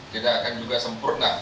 tidak akan juga sempurna